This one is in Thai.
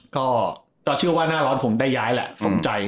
ก็เชื่อว่าหน้าร้อนคงได้ย้ายแหละสมใจ